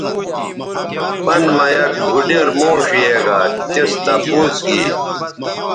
پَن مہ یک بُھوڈیر موݜ یے گا تِس تپوس گی